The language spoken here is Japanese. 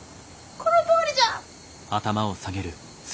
このとおりじゃ！